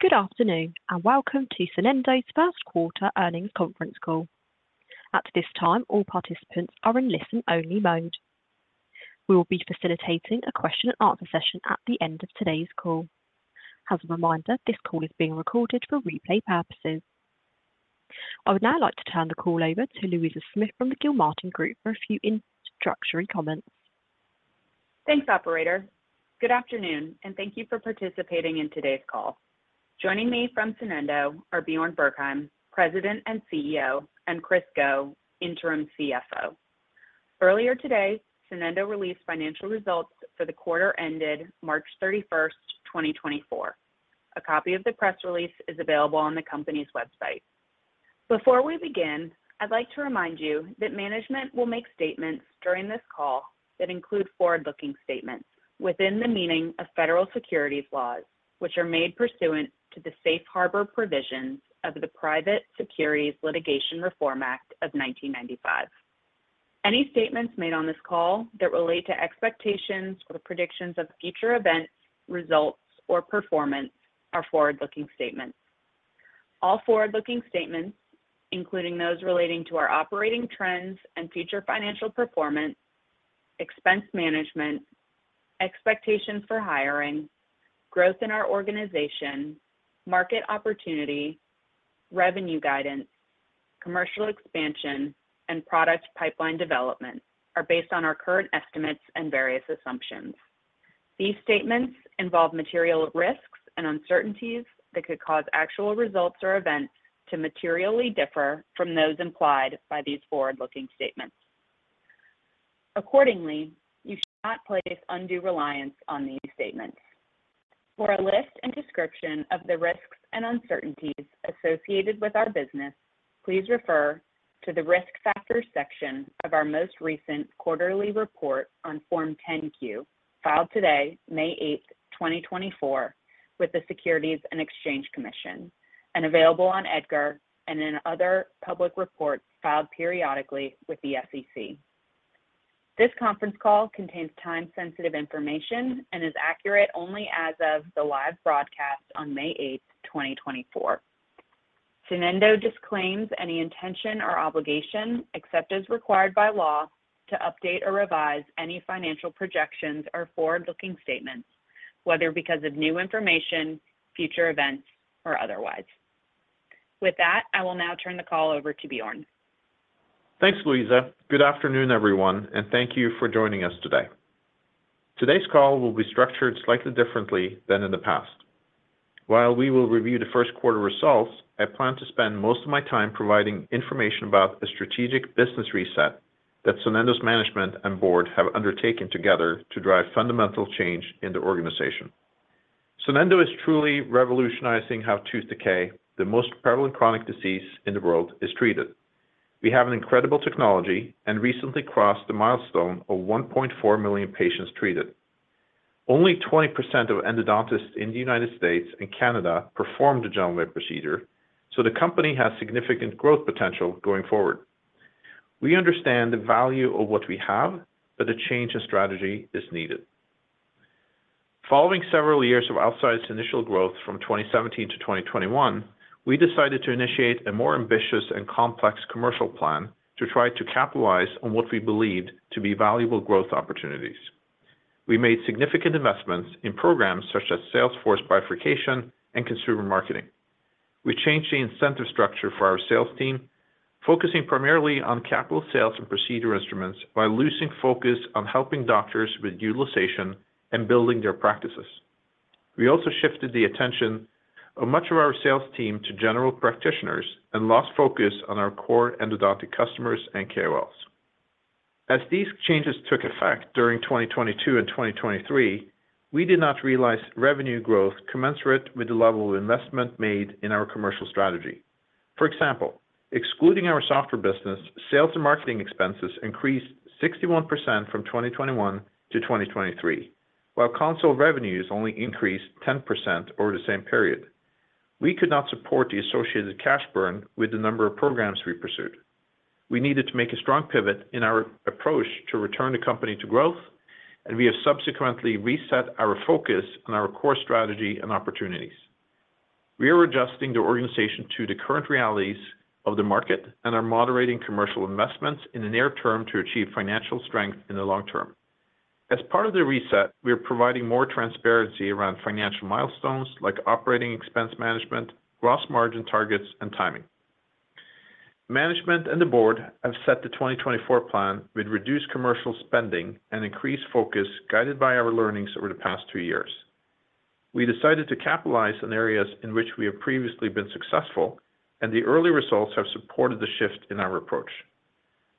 Good afternoon, and welcome to Sonendo's first quarter earnings conference call. At this time, all participants are in listen-only mode. We will be facilitating a question-and-answer session at the end of today's call. As a reminder, this call is being recorded for replay purposes. I would now like to turn the call over to Louisa Smith from the Gilmartin Group for a few introductory comments. Thanks, operator. Good afternoon, and thank you for participating in today's call. Joining me from Sonendo are Bjarne Bergheim, President and CEO, and Chris Guo, Interim CFO. Earlier today, Sonendo released financial results for the quarter ended March 31, 2024. A copy of the press release is available on the company's website. Before we begin, I'd like to remind you that management will make statements during this call that include forward-looking statements within the meaning of federal securities laws, which are made pursuant to the Safe Harbor Provisions of the Private Securities Litigation Reform Act of 1995. Any statements made on this call that relate to expectations or the predictions of future events, results, or performance are forward-looking statements. All forward-looking statements, including those relating to our operating trends and future financial performance, expense management, expectations for hiring, growth in our organization, market opportunity, revenue guidance, commercial expansion, and product pipeline development, are based on our current estimates and various assumptions. These statements involve material risks and uncertainties that could cause actual results or events to materially differ from those implied by these forward-looking statements. Accordingly, you should not place undue reliance on these statements. For a list and description of the risks and uncertainties associated with our business, please refer to the Risk Factors section of our most recent quarterly report on Form 10-Q, filed today, May 8, 2024, with the Securities and Exchange Commission, and available on EDGAR and in other public reports filed periodically with the SEC. This conference call contains time-sensitive information and is accurate only as of the live broadcast on May eighth, 2024. Sonendo disclaims any intention or obligation, except as required by law, to update or revise any financial projections or forward-looking statements, whether because of new information, future events, or otherwise. With that, I will now turn the call over to Bjarne. Thanks, Louisa. Good afternoon, everyone, and thank you for joining us today. Today's call will be structured slightly differently than in the past. While we will review the first quarter results, I plan to spend most of my time providing information about the strategic business reset that Sonendo's management and board have undertaken together to drive fundamental change in the organization. Sonendo is truly revolutionizing how tooth decay, the most prevalent chronic disease in the world, is treated. We have an incredible technology and recently crossed the milestone of 1.4 million patients treated. Only 20% of endodontists in the United States and Canada perform the GentleWave procedure, so the company has significant growth potential going forward. We understand the value of what we have, but a change in strategy is needed. Following several years of outsized initial growth from 2017 to 2021, we decided to initiate a more ambitious and complex commercial plan to try to capitalize on what we believed to be valuable growth opportunities. We made significant investments in programs such as sales force bifurcation and consumer marketing. We changed the incentive structure for our sales team, focusing primarily on capital sales and procedure instruments while losing focus on helping doctors with utilization and building their practices. We also shifted the attention of much of our sales team to general practitioners and lost focus on our core endodontic customers and KOLs. As these changes took effect during 2022 and 2023, we did not realize revenue growth commensurate with the level of investment made in our commercial strategy. For example, excluding our software business, sales and marketing expenses increased 61% from 2021 to 2023, while console revenues only increased 10% over the same period. We could not support the associated cash burn with the number of programs we pursued. We needed to make a strong pivot in our approach to return the company to growth, and we have subsequently reset our focus on our core strategy and opportunities. We are adjusting the organization to the current realities of the market and are moderating commercial investments in the near term to achieve financial strength in the long term. As part of the reset, we are providing more transparency around financial milestones like operating expense management, gross margin targets, and timing. Management and the board have set the 2024 plan with reduced commercial spending and increased focus, guided by our learnings over the past two years. We decided to capitalize on areas in which we have previously been successful, and the early results have supported the shift in our approach.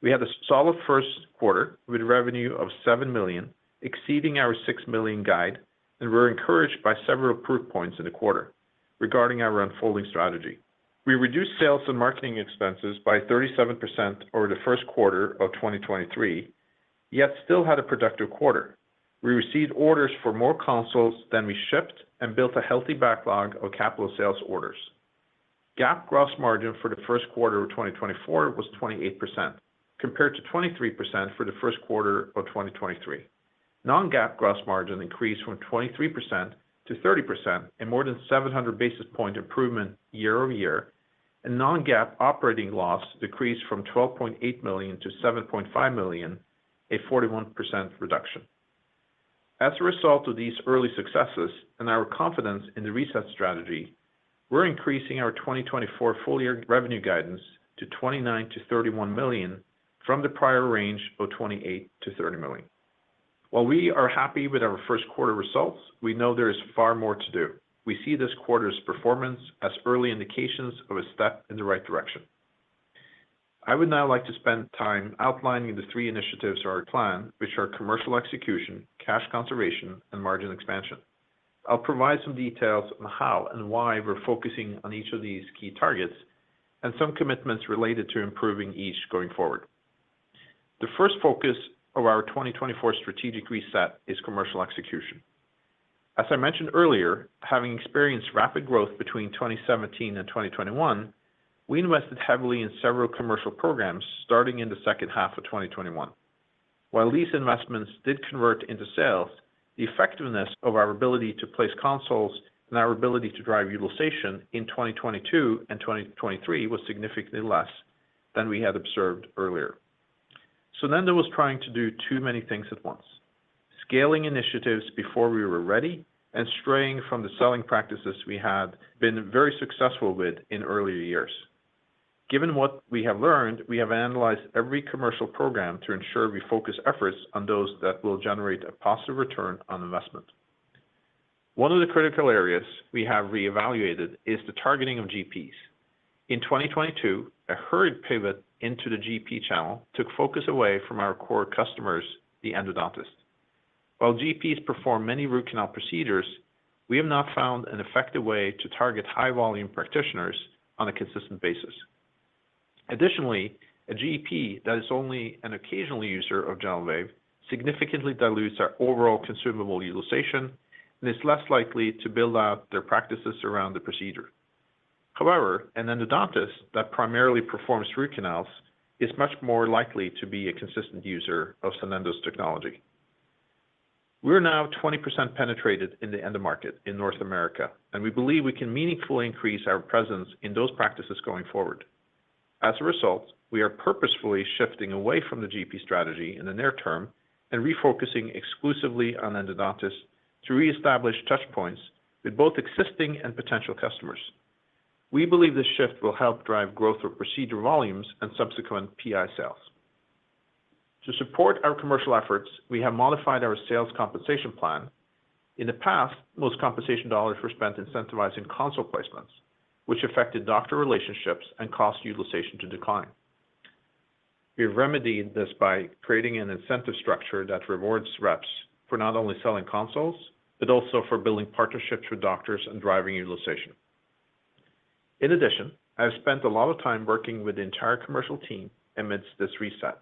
We had a solid first quarter with revenue of $7 million, exceeding our $6 million guide, and we're encouraged by several proof points in the quarter regarding our unfolding strategy. We reduced sales and marketing expenses by 37% over the first quarter of 2023, yet still had a productive quarter. We received orders for more consoles than we shipped and built a healthy backlog of capital sales orders.... GAAP gross margin for the first quarter of 2024 was 28%, compared to 23% for the first quarter of 2023. Non-GAAP gross margin increased from 23% to 30%, and more than 700 basis point improvement year-over-year, and non-GAAP operating loss decreased from $12.8 million-$7.5 million, a 41% reduction. As a result of these early successes and our confidence in the reset strategy, we're increasing our 2024 full year revenue guidance to $29 million-$31 million from the prior range of $28 million-$30 million. While we are happy with our first quarter results, we know there is far more to do. We see this quarter's performance as early indications of a step in the right direction. I would now like to spend time outlining the three initiatives of our plan, which are commercial execution, cash conservation, and margin expansion. I'll provide some details on how and why we're focusing on each of these key targets, and some commitments related to improving each going forward. The first focus of our 2024 strategic reset is commercial execution. As I mentioned earlier, having experienced rapid growth between 2017 and 2021, we invested heavily in several commercial programs starting in the second half of 2021. While these investments did convert into sales, the effectiveness of our ability to place consoles and our ability to drive utilization in 2022 and 2023 was significantly less than we had observed earlier. Sonendo was trying to do too many things at once, scaling initiatives before we were ready, and straying from the selling practices we had been very successful with in earlier years. Given what we have learned, we have analyzed every commercial program to ensure we focus efforts on those that will generate a positive return on investment. One of the critical areas we have reevaluated is the targeting of GPs. In 2022, a hurried pivot into the GP channel took focus away from our core customers, the endodontist. While GPs perform many root canal procedures, we have not found an effective way to target high-volume practitioners on a consistent basis. Additionally, a GP that is only an occasional user of GentleWave, significantly dilutes our overall consumable utilization, and is less likely to build out their practices around the procedure. However, an endodontist that primarily performs root canals is much more likely to be a consistent user of Sonendo's technology. We're now 20% penetrated in the endo market in North America, and we believe we can meaningfully increase our presence in those practices going forward. As a result, we are purposefully shifting away from the GP strategy in the near term and refocusing exclusively on endodontists to reestablish touch points with both existing and potential customers. We believe this shift will help drive growth of procedure volumes and subsequent PI sales. To support our commercial efforts, we have modified our sales compensation plan. In the past, most compensation dollars were spent incentivizing console placements, which affected doctor relationships and caused utilization to decline. We've remedied this by creating an incentive structure that rewards reps for not only selling consoles, but also for building partnerships with doctors and driving utilization. In addition, I've spent a lot of time working with the entire commercial team amidst this reset,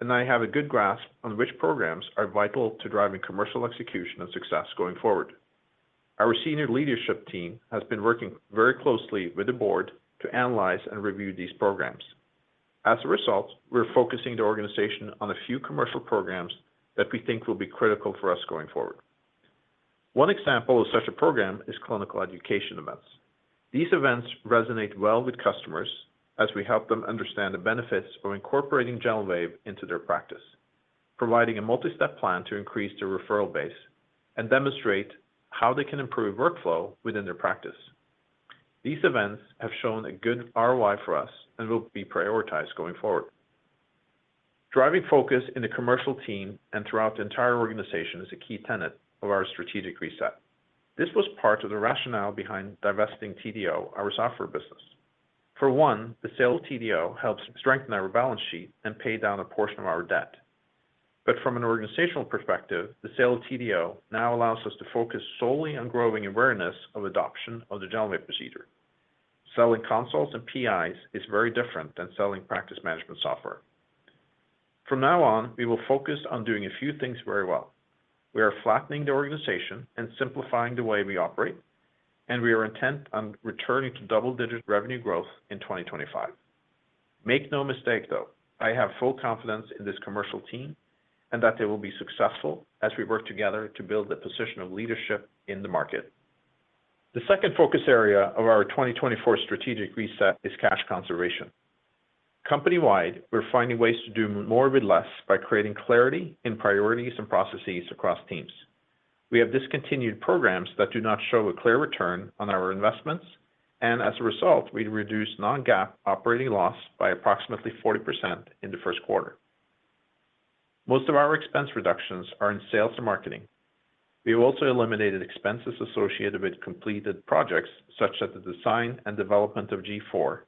and I have a good grasp on which programs are vital to driving commercial execution and success going forward. Our senior leadership team has been working very closely with the board to analyze and review these programs. As a result, we're focusing the organization on a few commercial programs that we think will be critical for us going forward. One example of such a program is clinical education events. These events resonate well with customers as we help them understand the benefits of incorporating GentleWave into their practice, providing a multi-step plan to increase their referral base and demonstrate how they can improve workflow within their practice. These events have shown a good ROI for us and will be prioritized going forward. Driving focus in the commercial team and throughout the entire organization is a key tenet of our strategic reset. This was part of the rationale behind divesting TDO, our software business. For one, the sale of TDO helps strengthen our balance sheet and pay down a portion of our debt. But from an organizational perspective, the sale of TDO now allows us to focus solely on growing awareness of adoption of the GentleWave procedure. Selling consoles and PIs is very different than selling practice management software. From now on, we will focus on doing a few things very well. We are flattening the organization and simplifying the way we operate, and we are intent on returning to double-digit revenue growth in 2025. Make no mistake, though, I have full confidence in this commercial team and that they will be successful as we work together to build a position of leadership in the market. The second focus area of our 2024 strategic reset is cash conservation. Company-wide, we're finding ways to do more with less by creating clarity in priorities and processes across teams. We have discontinued programs that do not show a clear return on our investments, and as a result, we reduced non-GAAP operating loss by approximately 40% in the first quarter. Most of our expense reductions are in sales and marketing. We have also eliminated expenses associated with completed projects, such as the design and development of G4,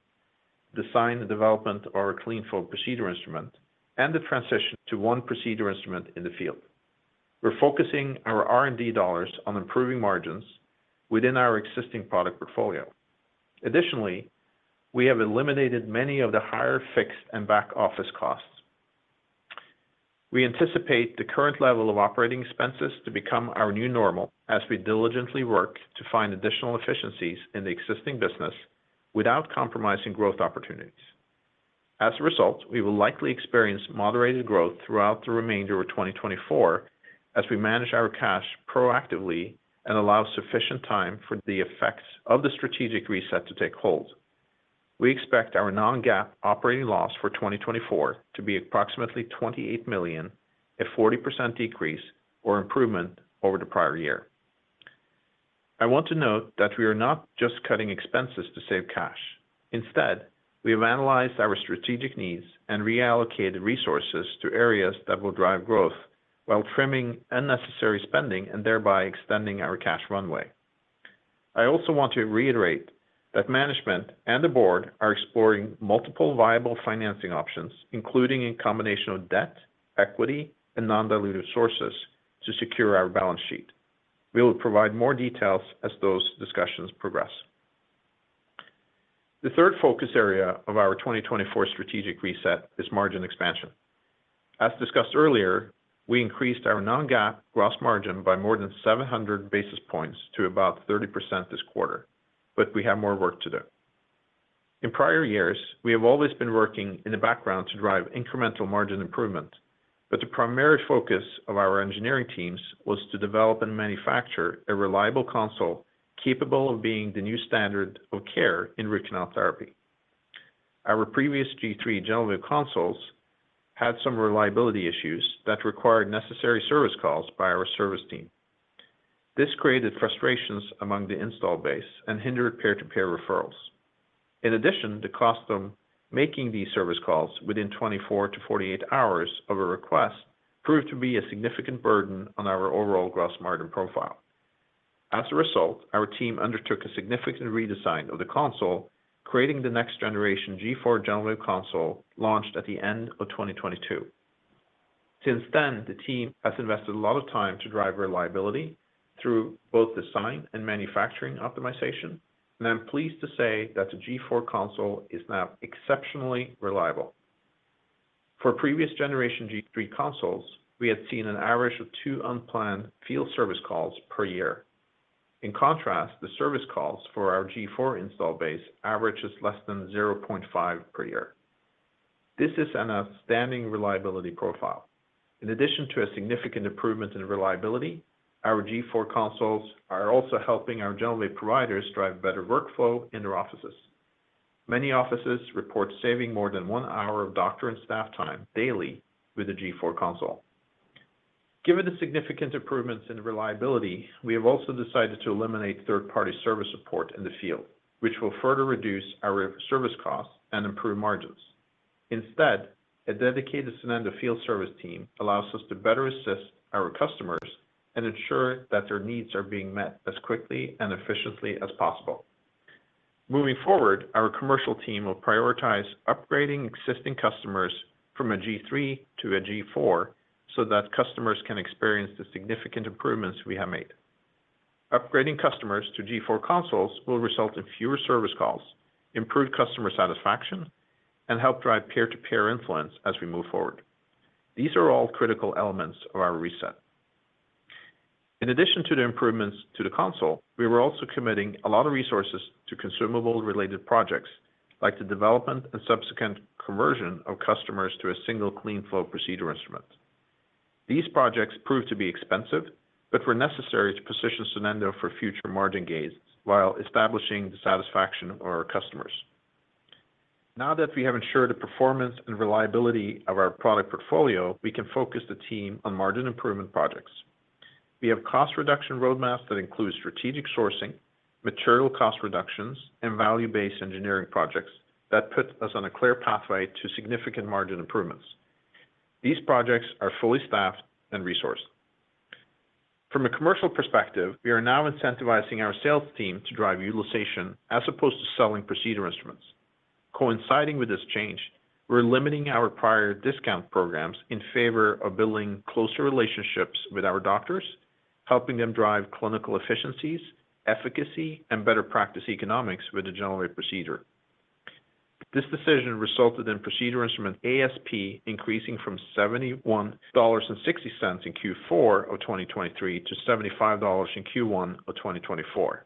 design and development of our CleanFlow procedure instrument, and the transition to one procedure instrument in the field. We're focusing our R&D dollars on improving margins within our existing product portfolio. Additionally, we have eliminated many of the higher fixed and back-office costs. We anticipate the current level of operating expenses to become our new normal as we diligently work to find additional efficiencies in the existing business without compromising growth opportunities. As a result, we will likely experience moderated growth throughout the remainder of 2024 as we manage our cash proactively and allow sufficient time for the effects of the strategic reset to take hold. We expect our non-GAAP operating loss for 2024 to be approximately $28 million, a 40% decrease or improvement over the prior year. I want to note that we are not just cutting expenses to save cash. Instead, we have analyzed our strategic needs and reallocated resources to areas that will drive growth while trimming unnecessary spending and thereby extending our cash runway. I also want to reiterate that management and the board are exploring multiple viable financing options, including a combination of debt, equity, and non-dilutive sources to secure our balance sheet. We will provide more details as those discussions progress. The third focus area of our 2024 strategic reset is margin expansion. As discussed earlier, we increased our non-GAAP gross margin by more than 700 basis points to about 30% this quarter, but we have more work to do. In prior years, we have always been working in the background to drive incremental margin improvement, but the primary focus of our engineering teams was to develop and manufacture a reliable console capable of being the new standard of care in endodontic therapy. Our previous G3 GentleWave consoles had some reliability issues that required necessary service calls by our service team. This created frustrations among the installed base and hindered peer-to-peer referrals. In addition, the cost of making these service calls within 24-48 hours of a request proved to be a significant burden on our overall gross margin profile. As a result, our team undertook a significant redesign of the console, creating the next generation G4 GentleWave console, launched at the end of 2022. Since then, the team has invested a lot of time to drive reliability through both design and manufacturing optimization, and I'm pleased to say that the G4 console is now exceptionally reliable. For previous generation G3 consoles, we had seen an average of two unplanned field service calls per year. In contrast, the service calls for our G4 install base averages less than 0.5 per year. This is an outstanding reliability profile. In addition to a significant improvement in reliability, our G4 consoles are also helping our GentleWave providers drive better workflow in their offices. Many offices report saving more than 1 hour of doctor and staff time daily with the G4 console. Given the significant improvements in reliability, we have also decided to eliminate third-party service support in the field, which will further reduce our service costs and improve margins. Instead, a dedicated Sonendo field service team allows us to better assist our customers and ensure that their needs are being met as quickly and efficiently as possible. Moving forward, our commercial team will prioritize upgrading existing customers from a G3 to a G4 so that customers can experience the significant improvements we have made. Upgrading customers to G4 consoles will result in fewer service calls, improved customer satisfaction, and help drive peer-to-peer influence as we move forward. These are all critical elements of our reset. In addition to the improvements to the console, we were also committing a lot of resources to consumable-related projects, like the development and subsequent conversion of customers to a single CleanFlow procedure instrument. These projects proved to be expensive but were necessary to position Sonendo for future margin gains while establishing the satisfaction of our customers. Now that we have ensured the performance and reliability of our product portfolio, we can focus the team on margin improvement projects. We have cost reduction roadmaps that include strategic sourcing, material cost reductions, and value-based engineering projects that put us on a clear pathway to significant margin improvements. These projects are fully staffed and resourced. From a commercial perspective, we are now incentivizing our sales team to drive utilization as opposed to selling procedure instruments. Coinciding with this change, we're limiting our prior discount programs in favor of building closer relationships with our doctors, helping them drive clinical efficiencies, efficacy, and better practice economics with the GentleWave procedure. This decision resulted in procedure instrument ASP increasing from $71.60 in Q4 of 2023 to $75 in Q1 of 2024.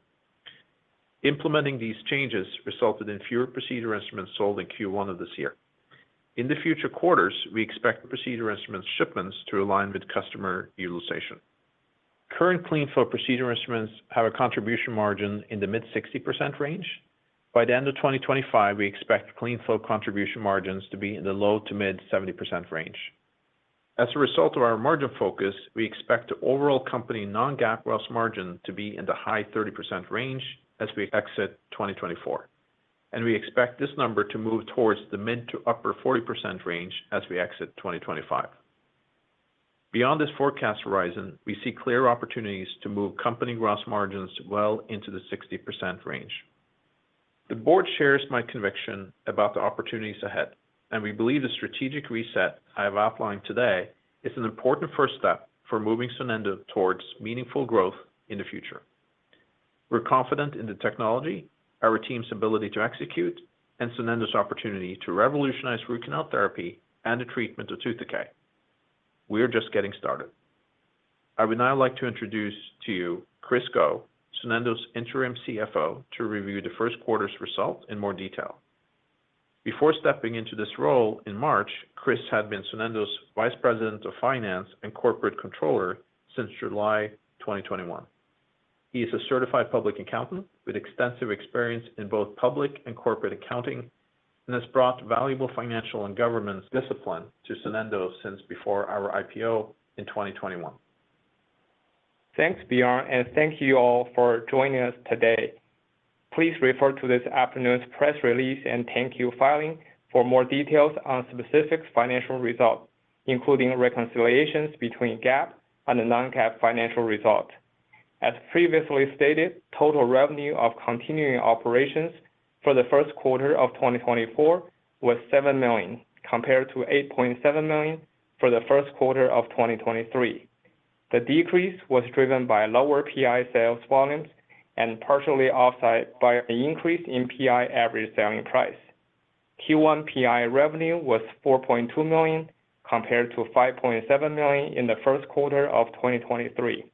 Implementing these changes resulted in fewer procedure instruments sold in Q1 of this year. In the future quarters, we expect the procedure instrument shipments to align with customer utilization. Current CleanFlow procedure instruments have a contribution margin in the mid-60% range. By the end of 2025, we expect CleanFlow contribution margins to be in the low- to mid-70% range. As a result of our margin focus, we expect the overall company non-GAAP gross margin to be in the high 30% range as we exit 2024, and we expect this number to move towards the mid- to upper 40% range as we exit 2025. Beyond this forecast horizon, we see clear opportunities to move company gross margins well into the 60% range. The board shares my conviction about the opportunities ahead, and we believe the strategic reset I have outlined today is an important first step for moving Sonendo towards meaningful growth in the future. We're confident in the technology, our team's ability to execute, and Sonendo's opportunity to revolutionize root canal therapy and the treatment of tooth decay. We are just getting started. I would now like to introduce to you Chris Guo, Sonendo's Interim CFO, to review the first quarter's results in more detail. Before stepping into this role in March, Chris had been Sonendo's Vice President of Finance and Corporate Controller since July 2021. He is a certified public accountant with extensive experience in both public and corporate accounting and has brought valuable financial and governance discipline to Sonendo since before our IPO in 2021. Thanks, Bjarne, and thank you all for joining us today. Please refer to this afternoon's press release and 10-Q filing for more details on specific financial results, including reconciliations between GAAP and the non-GAAP financial results. As previously stated, total revenue of continuing operations for the first quarter of 2024 was $7 million, compared to $8.7 million for the first quarter of 2023. The decrease was driven by lower PI sales volumes and partially offset by an increase in PI average selling price. Q1 PI revenue was $4.2 million, compared to $5.7 million in the first quarter of 2023.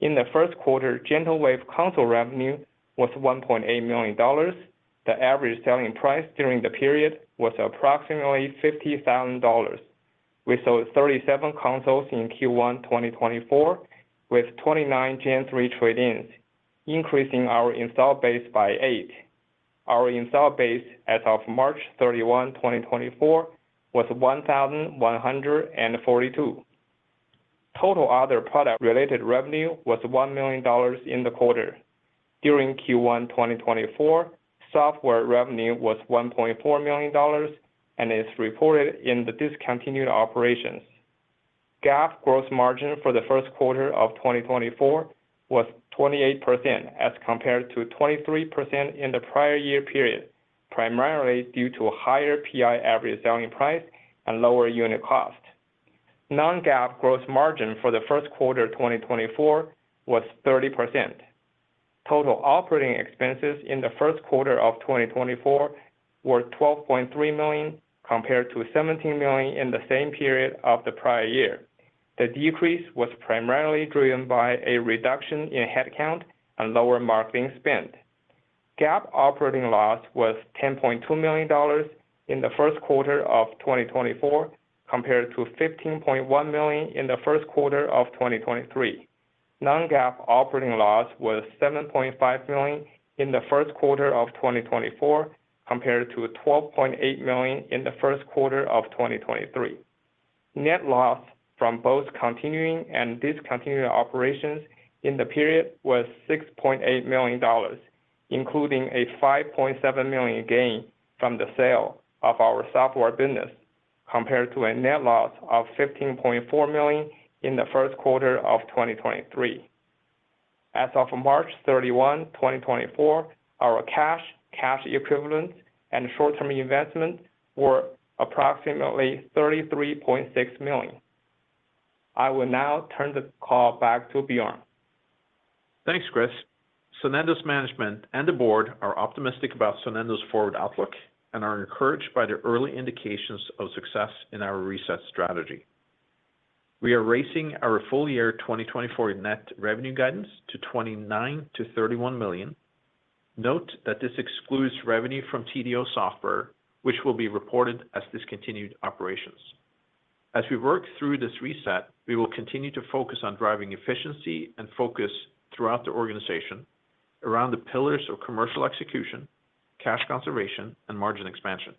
In the first quarter, GentleWave console revenue was $1.8 million. The average selling price during the period was approximately $50,000. We sold 37 consoles in Q1 2024, with 29 G3 trade-ins, increasing our install base by 8. Our install base as of March 31, 2024, was 1,142. Total other product-related revenue was $1 million in the quarter. During Q1 2024, software revenue was $1.4 million and is reported in the discontinued operations. GAAP gross margin for the first quarter of 2024 was 28%, as compared to 23% in the prior-year period, primarily due to a higher PI average selling price and lower unit cost. Non-GAAP gross margin for the first quarter 2024 was 30%. Total operating expenses in the first quarter of 2024 were $12.3 million, compared to $17 million in the same period of the prior year. The decrease was primarily driven by a reduction in headcount and lower marketing spend. GAAP operating loss was $10.2 million in the first quarter of 2024, compared to $15.1 million in the first quarter of 2023. Non-GAAP operating loss was $7.5 million in the first quarter of 2024, compared to $12.8 million in the first quarter of 2023. Net loss from both continuing and discontinued operations in the period was $6.8 million, including a $5.7 million gain from the sale of our software business, compared to a net loss of $15.4 million in the first quarter of 2023. As of March 31, 2024, our cash, cash equivalents, and short-term investments were approximately $33.6 million. I will now turn the call back to Bjarne. Thanks, Chris. Sonendo's management and the board are optimistic about Sonendo's forward outlook and are encouraged by the early indications of success in our reset strategy. We are raising our full year 2024 net revenue guidance to $29 million-$31 million. Note that this excludes revenue from TDO Software, which will be reported as discontinued operations. As we work through this reset, we will continue to focus on driving efficiency and focus throughout the organization around the pillars of commercial execution, cash conservation, and margin expansion.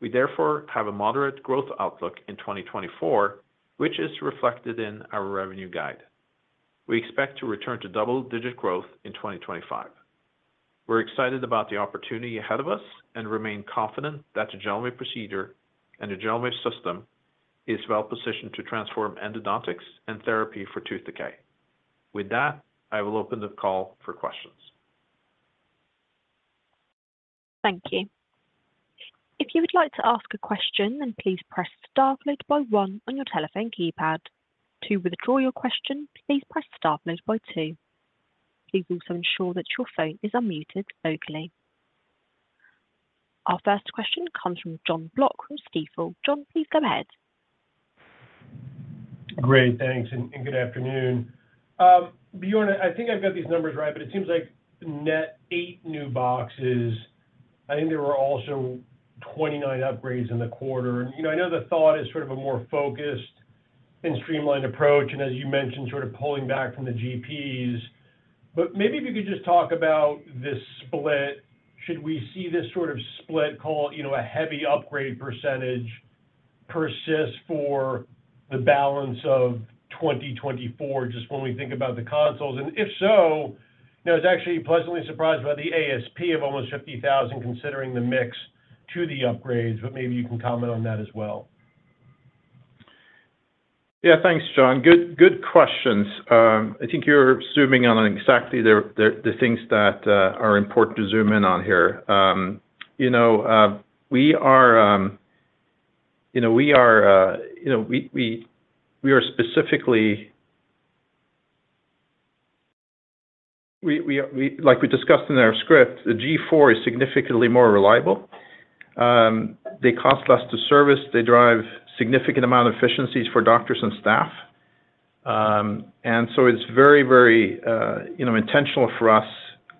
We therefore have a moderate growth outlook in 2024, which is reflected in our revenue guide. We expect to return to double-digit growth in 2025. We're excited about the opportunity ahead of us and remain confident that the GentleWave procedure and the GentleWave system is well positioned to transform endodontics and therapy for tooth decay. With that, I will open the call for questions. Thank you. If you would like to ask a question, then please press star followed by one on your telephone keypad. To withdraw your question, please press star followed by two. Please also ensure that your phone is unmuted locally. Our first question comes from Jon Block from Stifel. John, please go ahead. Great. Thanks, and good afternoon. Bjarne, I think I've got these numbers right, but it seems like net 8 new boxes. I think there were also 29 upgrades in the quarter. And, you know, I know the thought is sort of a more focused and streamlined approach, and as you mentioned, sort of pulling back from the GPs. But maybe if you could just talk about this split, should we see this sort of split call, you know, a heavy upgrade percentage persist for the balance of 2024, just when we think about the consoles? And if so, you know, I was actually pleasantly surprised by the ASP of almost $50,000, considering the mix to the upgrades, but maybe you can comment on that as well. Yeah, thanks, John. Good, good questions. I think you're zooming in on exactly the things that are important to zoom in on here. You know, we are-... You know, we are specifically, like we discussed in our script, the G4 is significantly more reliable. They cost less to service, they drive significant amount of efficiencies for doctors and staff. And so it's very, very, you know, intentional for us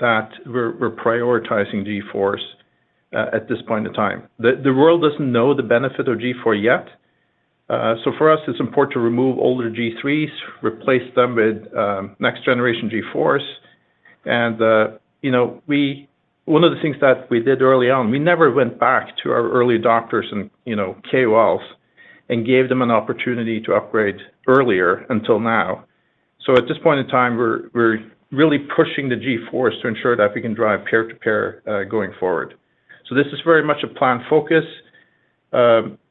that we're prioritizing G4s at this point in time. The world doesn't know the benefit of G4 yet. So for us, it's important to remove older G3s, replace them with next generation G4s. And you know, one of the things that we did early on, we never went back to our early doctors and, you know, KOLs and gave them an opportunity to upgrade earlier until now. So at this point in time, we're really pushing the G4s to ensure that we can drive peer-to-peer going forward. So this is very much a planned focus.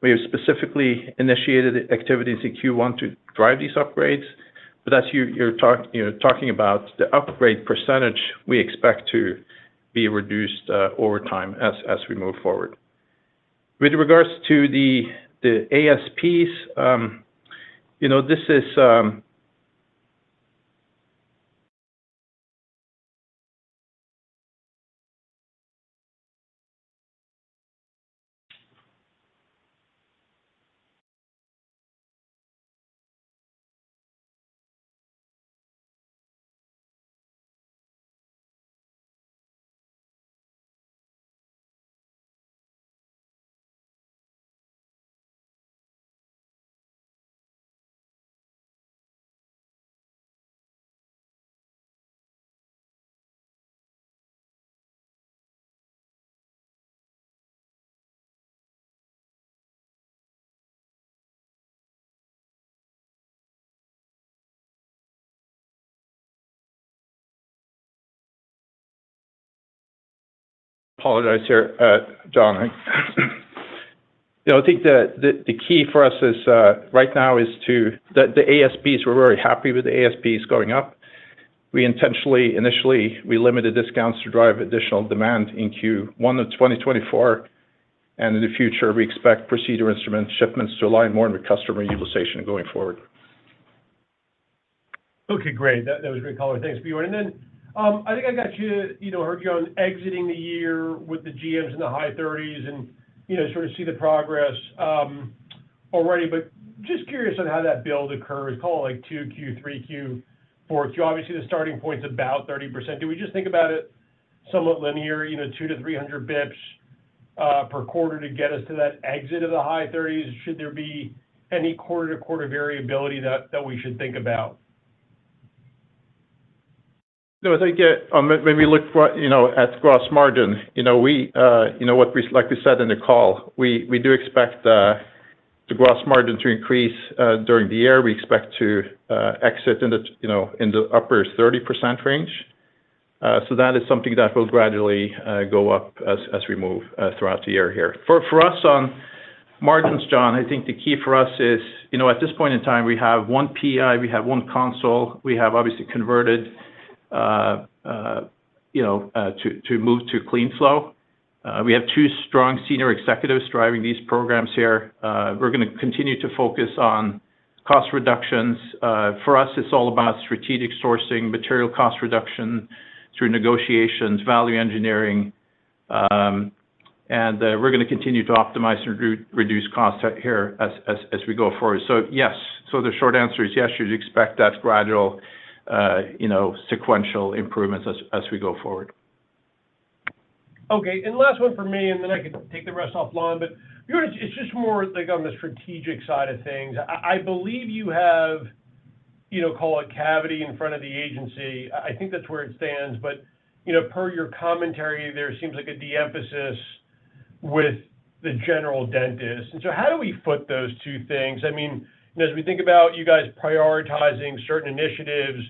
We have specifically initiated activities in Q1 to drive these upgrades, but as you're talking about the upgrade percentage, you know, we expect to be reduced over time as we move forward. With regards to the ASPs, you know, this is... I apologize here, John. You know, I think the key for us right now is the ASPs. We're very happy with the ASPs going up. We intentionally initially limited discounts to drive additional demand in Q1 of 2024, and in the future, we expect procedure instrument shipments to align more with customer utilization going forward. Okay, great. That, that was a great call. Thanks, Bjarne. And then, I think I got you, you know, heard you on exiting the year with the GMs in the high 30s% and, you know, sort of see the progress already, but just curious on how that build occurs, call it like 2Q, 3Q, 4Q. Obviously, the starting point is about 30%. Do we just think about it somewhat linear, you know, 200-300 basis points per quarter to get us to that exit of the high 30s%? Should there be any quarter-to-quarter variability that, that we should think about? No, I think, maybe look for, you know, at gross margin. You know, we, you know what we-- like we said in the call, we, we do expect, the gross margin to increase, during the year. We expect to, exit in the, you know, in the upper 30% range. So that is something that will gradually, go up as, as we move, throughout the year here. For us on margins, John, I think the key for us is, you know, at this point in time, we have one PI, we have one console. We have obviously converted, you know, to move to CleanFlow. We have two strong senior executives driving these programs here. We're gonna continue to focus on cost reductions. For us, it's all about strategic sourcing, material cost reduction through negotiations, value engineering, and we're gonna continue to optimize and reduce costs here as we go forward. So, yes. So the short answer is yes, you'd expect that gradual, you know, sequential improvements as we go forward. Okay, and last one for me, and then I can take the rest offline, but it's just more like on the strategic side of things. I, I believe you have, you know, call it cavity in front of the agency. I think that's where it stands. But, you know, per your commentary, there seems like a de-emphasis with the general dentist. And so how do we put those two things? I mean, you know, as we think about you guys prioritizing certain initiatives,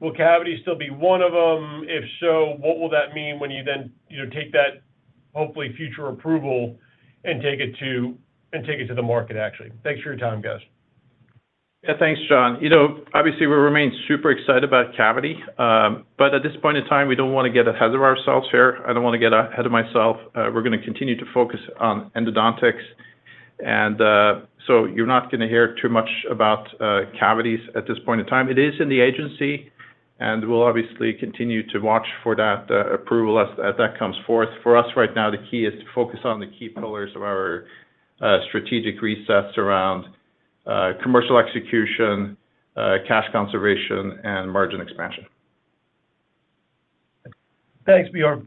will cavity still be one of them? If so, what will that mean when you then, you know, take that hopefully future approval and take it to- and take it to the market, actually? Thanks for your time, guys. Yeah. Thanks, John. You know, obviously, we remain super excited about cavity, but at this point in time, we don't want to get ahead of ourselves here. I don't want to get ahead of myself. We're gonna continue to focus on endodontics, and so you're not gonna hear too much about cavity at this point in time. It is in the agency, and we'll obviously continue to watch for that approval as that comes forth. For us, right now, the key is to focus on the key pillars of our strategic recess around commercial execution, cash conservation, and margin expansion. Thanks, Bjarne.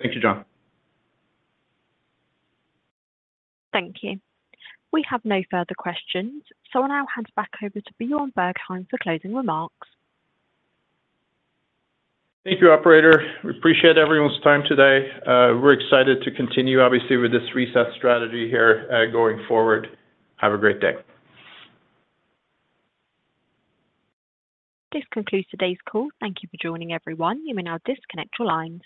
Thank you, John. Thank you. We have no further questions, so I'll now hand back over to Bjarne Bergheim for closing remarks. Thank you, operator. We appreciate everyone's time today. We're excited to continue, obviously, with this reset strategy here, going forward. Have a great day. This concludes today's call. Thank you for joining, everyone. You may now disconnect your lines.